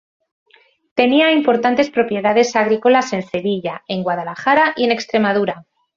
Tenía importantes propiedades agrícolas en Sevilla, en Guadalajara y en Extremadura.